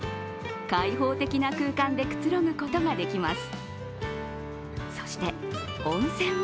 開放的な空間でくつろぐことができます。